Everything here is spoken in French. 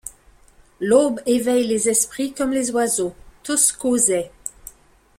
L’aube éveille les esprits comme les oiseaux ; tous causaient.